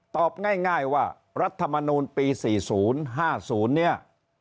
ตอบง่ายว่ารัฐมนูลปี๔๐๕๐เนี่ย